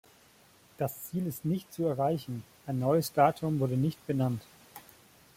Das Ziel ist nicht zu erreichen, ein neues Datum wurde nicht benannt.